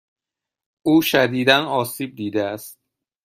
او شدیدا آسیب دیده است.